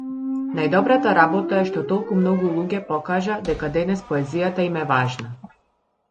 Најдобрата работа е што толку многу луѓе покажа дека денес поезијата им е важна.